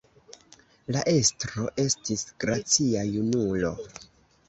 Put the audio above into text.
La estro estis gracia junulo.